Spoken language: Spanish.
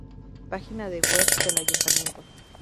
Página de web del ayuntamiento.